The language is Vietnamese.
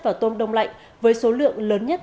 vào tôm đông lạnh với số lượng lớn nhất